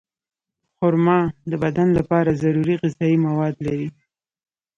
خرما د بدن لپاره ضروري غذایي مواد لري.